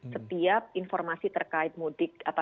setiap informasi terkait mudik apalagi kalau ini terkait dengan lantai